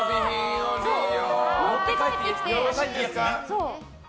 持って帰ってきて。